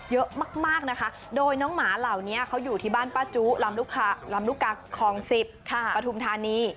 เยอะมากนะคะโดยน้องหมาเหล่านี้เขาอยู่ที่บ้านป้าจุลำลูกกาคลอง๑๐ปฐุมธานี